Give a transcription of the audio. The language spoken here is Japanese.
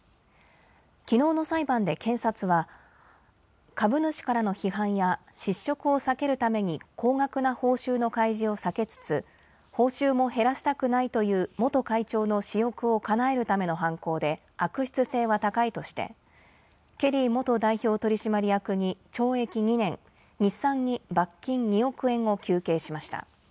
きのうの裁判で検察は、株主からの批判や、失職を避けるために高額な報酬の開示を避けつつ、報酬も減らしたくないという元会長の私欲をかなえるための犯行で、悪質性は高いとして、ケリー元代表取締役に懲役２年、日産に罰金２億円を求刑しました。